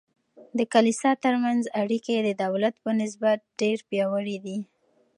د کلیسا ترمنځ اړیکې د دولت په نسبت ډیر پیاوړي دي.